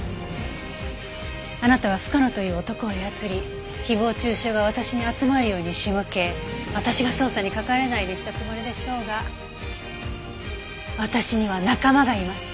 あなたは深野という男を操り誹謗中傷が私に集まるように仕向け私が捜査に関われないようにしたつもりでしょうが私には仲間がいます。